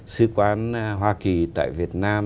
sứ quán hoa kỳ tại việt nam